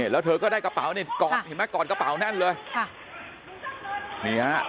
แล้วเธอก็ได้กระเป๋านี้ก่อนกระเป๋านั่นเลย